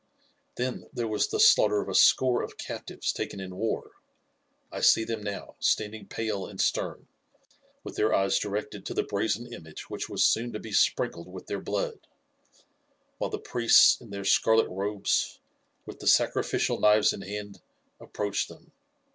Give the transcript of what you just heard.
"Then there was the slaughter of a score of captives taken in war. I see them now, standing pale and stern, with their eyes directed to the brazen image which was soon to be sprinkled with their blood, while the priests in their scarlet robes, with the sacrificial knives in hand, approached them.